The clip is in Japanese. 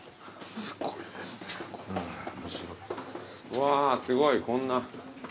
うわすごいこんな。